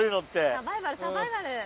サバイバルサバイバル！